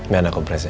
biar aku kompres ya